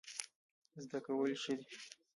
زده کول ښه دی.